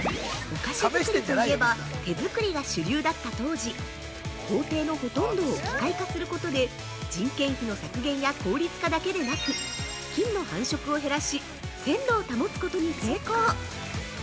◆お菓子作りといえば手作りが主流だった当時、工程のほとんどを機械化することで人件費の削減や効率化だけでなく菌の繁殖を減らし、鮮度を保つことに成功。